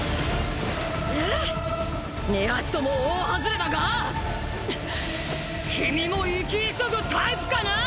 ⁉２発とも大ハズレだが⁉君も生き急ぐタイプかな⁉あ。